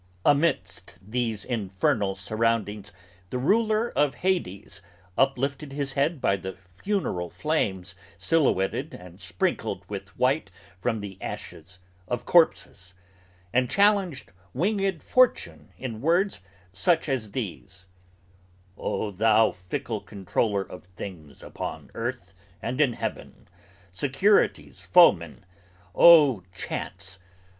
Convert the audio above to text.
Amidst these infernal surroundings the ruler of Hades Uplifted his head by the funeral flames silhouetted And sprinkled with white from the ashes of corpses; and challenged Winged Fortune in words such as these: 'Oh thou fickle controller Of things upon earth and in heaven, security's foeman, Oh Chance!